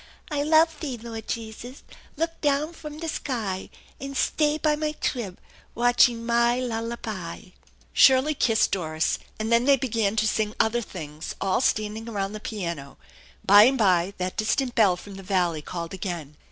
I love Thee, Lord Jesus; Look down fum the sky, An* stay by my trib, Watching my lul la by! 146 THE ENCHANTED BARN Shirley kissed Doris, and then they began to sing other things, all standing around the piano. By and by that distant bell from the valley called again.